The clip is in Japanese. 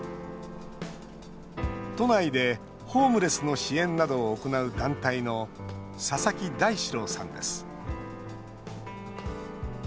都内でホームレスの支援などを行う団体の佐々木大志郎さんです。